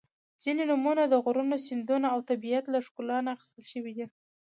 • ځینې نومونه د غرونو، سیندونو او طبیعت له ښکلا نه اخیستل شوي دي.